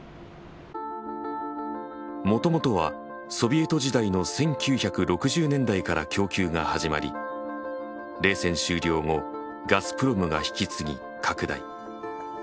もともとはソビエト時代の１９６０年代から供給が始まり冷戦終了後ガスプロムが引き継ぎ拡大。